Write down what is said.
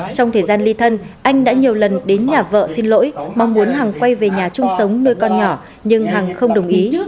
trong thời gian ly thân anh đã nhiều lần đến nhà vợ xin lỗi mong muốn hằng quay về nhà chung sống nuôi con nhỏ nhưng hằng không đồng ý